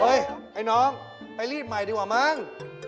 อุ่ยน้องไปรีดใหม่ดีกว่ามึง